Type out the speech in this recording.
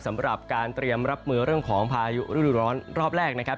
สำหรับการเตรียมรับมือเรื่องของพายุฤดูร้อนรอบแรกนะครับ